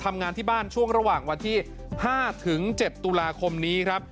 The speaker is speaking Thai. ทำงานที่บ้านช่วงระหว่างวันที่๕ถึง๗ตุลาคมนี้ครับ